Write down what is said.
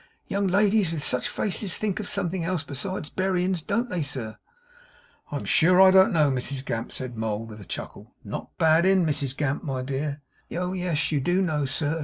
'Young ladies with such faces thinks of something else besides berryins, don't they, sir?' 'I am sure I don't know, Mrs Gamp,' said Mould, with a chuckle 'Not bad in Mrs Gamp, my dear?' 'Oh yes, you do know, sir!